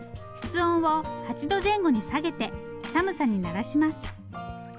室温を８度前後に下げて寒さに慣らします。